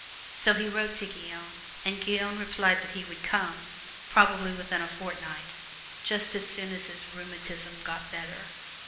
So he wrote to Guyon, and Guyon replied that he would come, probably within a fortnight just as soon as his rheumatism got better.